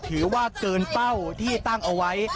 ถือว่าเกินเป้าที่ตั้งเอาไว้